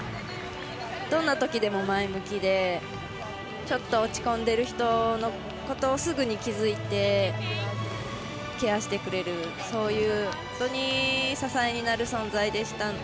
どんなときでも前向きでちょっと落ち込んでいる人のことをすぐに気付いてケアしてくれる、そういう本当に支えになる存在でした。